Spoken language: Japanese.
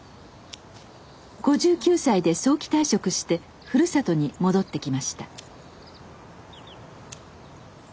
５９歳で早期退職してふるさとに戻ってきました。